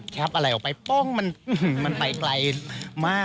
อะไรออกไปป้องมันไปไกลมาก